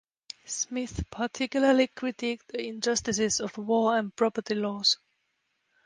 Smith particularly critiqued the injustices of war and property laws.